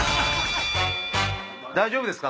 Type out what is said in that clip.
大丈夫ですか？